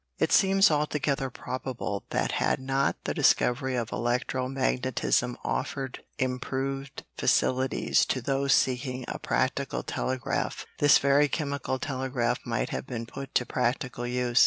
It seems altogether probable that had not the discovery of electro magnetism offered improved facilities to those seeking a practical telegraph, this very chemical telegraph might have been put to practical use.